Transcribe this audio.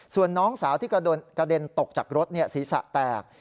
ส่วนน้องสาวที่กระเด็นตกจากรถศีรษะแตก